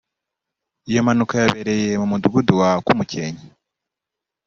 Iyo mpanuka yabereye mu Mudugudu wa Kumukenke